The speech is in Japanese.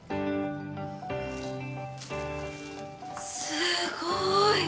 すごい！